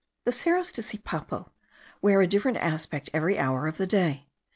The Cerros de Sipapo wear a different aspect every hour of the day.